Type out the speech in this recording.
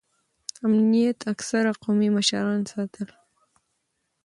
امنیت اکثره قومي مشرانو ساته.